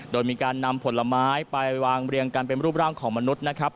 โดยมีการนำผลไม้ไปวางเรียงกันเป็นรูปร่างของมนุษย์นะครับ